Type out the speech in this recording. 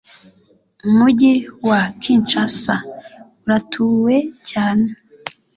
Umujyi wa Kinshasa aratuwe cyane